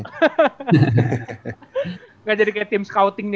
nggak jadi kayak team scoutingnya